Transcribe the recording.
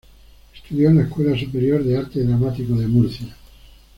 Estudió en la Escuela Superior de Arte Dramático de Murcia.